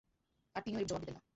আর তিনিও এরূপ জবাব দিতেন না।